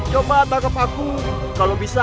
coba tangkap aku kalau bisa